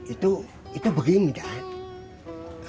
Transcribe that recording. itu itu begini pak ustadz